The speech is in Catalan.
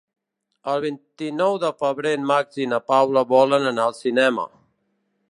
El vint-i-nou de febrer en Max i na Paula volen anar al cinema.